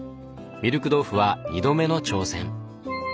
ミルク豆腐は２度目の挑戦。